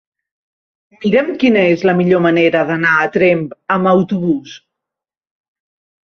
Mira'm quina és la millor manera d'anar a Tremp amb autobús.